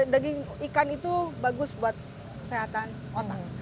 daging ikan itu bagus buat kesehatan otak